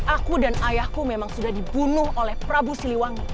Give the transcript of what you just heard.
aku dan ayahku memang sudah dibunuh oleh prabu siliwangi